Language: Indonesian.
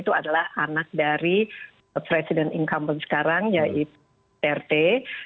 itu adalah anak dari presiden incumbent sekarang yaitu rt